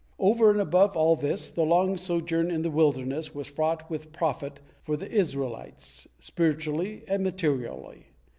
Over and above all this, the long sojourn in the wilderness was fraught with profit for the Israelites, spiritually and materially.